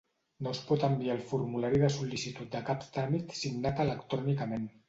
No es pot enviar el formulari de sol·licitud de cap tràmit signat electrònicament.